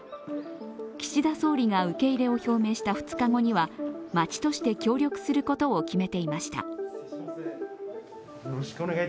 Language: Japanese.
岸田総理が受け入れを表明した２日後には町として協力することを決めていました。